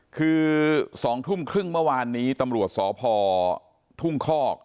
คือสองทุ่มครึ่งเมื่อวานนี้ตำลูกสอบพอทุ่งคอก